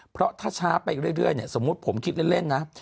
เพราะถ้าช้าไปเรื่อยเนี่ยสมมุติผมคิดเล่นนะ